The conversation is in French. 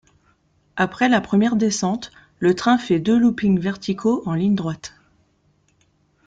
Après la première descente, le train fait deux loopings verticaux en ligne droite.